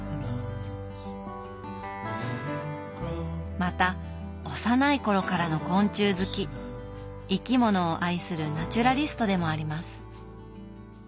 また幼い頃からの昆虫好き生き物を愛するナチュラリストでもあります。